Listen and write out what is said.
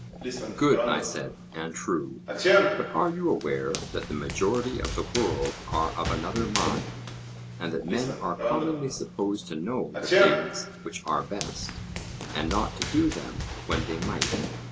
Good, I said, and true. But are you aware that the majority of the world are of another mind; and that men are commonly supposed to know the things which are best, and not to do them when they might?